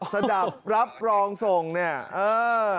สจับรับรองส่งเนี่ย